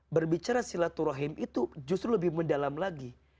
berbicara silaturahim itu justru lebih mendalam lagi